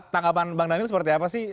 tanggapan bang daniel seperti apa sih